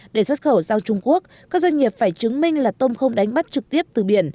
để xuất khẩu sang trung quốc các doanh nghiệp phải chứng minh là tôm không đánh bắt trực tiếp từ biển